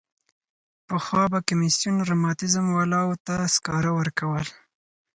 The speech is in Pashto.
پخوا به کمیسیون رماتیزم والاوو ته سکاره ورکول.